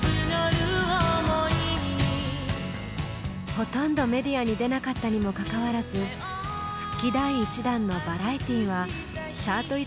ほとんどメディアに出なかったにもかかわらず復帰第一弾の「ＶＡＲＩＥＴＹ」はチャート１位を獲得。